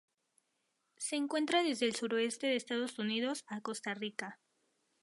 Se encuentra desde el suroeste de Estados Unidos a Costa Rica.